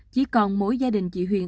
chỉ còn mỗi gia đình chị huyền